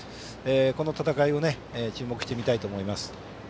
この戦いを注目して見たいと思います。